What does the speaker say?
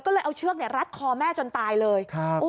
ก็เลยเอาเชือกรัดคอแม่จนตายเลย